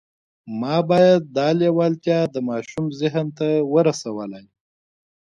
ما باید دا لېوالتیا د ماشوم ذهن ته ورسولای